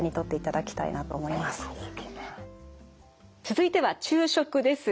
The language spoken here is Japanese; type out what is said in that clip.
続いては昼食です。